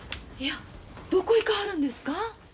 いやどこ行かはるんですか？